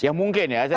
ya mungkin ya